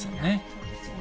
そうですね。